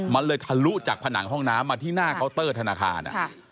มันเลยทะลุจากผนังห้องน้ำมาที่หน้าเคาน์เตอร์ธนาคาร